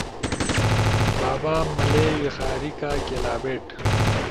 بابا ملے، ویخاریکا کیلابیٹ